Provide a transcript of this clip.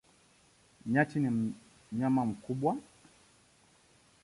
Nyati ni mnyama mkubwa.